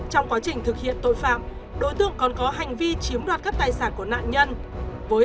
trong quá trình thực hiện tội phạm đối tượng còn có hành vi chiếm đoạt các tài sản của nạn nhân